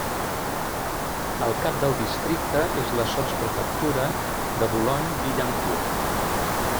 El cap del districte és la sotsprefectura de Boulogne-Billancourt.